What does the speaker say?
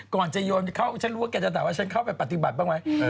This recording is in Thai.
ก่อนจะโยนเข้าฉันรู้ว่าแกจะถามว่าฉันเข้าไปปฏิบัติบ้างไหม